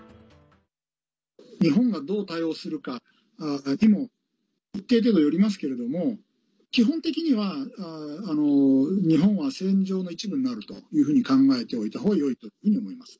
日本がどう対応するかにも一定程度よりますけれども基本的には、日本は戦場の一部になるというふうに考えておいたほうがよいというふうに思います。